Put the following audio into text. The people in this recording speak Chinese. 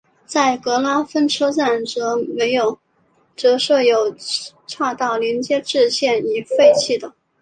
在格拉芬车站则设有岔道连接至现已废弃的。